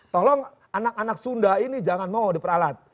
tolong anak anak sunda ini jangan mau diperalat